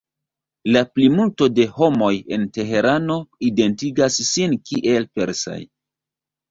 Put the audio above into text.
La plimulto de homoj en Teherano identigas sin kiel persaj.